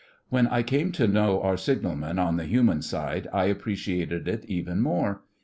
When I came to know our signalmen on the human side I appreciated it even more.